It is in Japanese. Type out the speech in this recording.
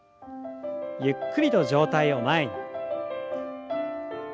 ゆっくりと上体を前に。